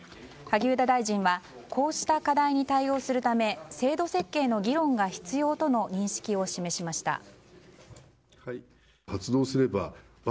萩生田大臣はこうした課題に対応するため制度設計の議論が必要との認識を示しました。